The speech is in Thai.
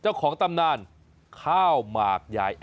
เจ้าของตำนานข้าวหมากยาย